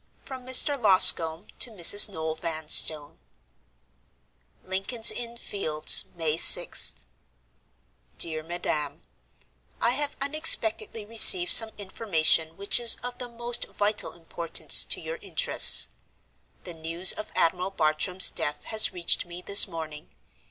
From Mr. Loscombe to Mrs. Noel Vanstone. "Lincoln's Inn Fields, May 6th. "DEAR MADAM, "I have unexpectedly received some information which is of the most vital importance to your interests. The news of Admiral Bartram's death has reached me this morning.